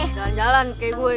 jalan jalan kayak gue